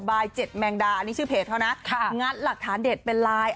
บาย๗แมงดานี่ชื่อเพจเท่านั้นงัดหลักฐานเด็ดเป็นไลน์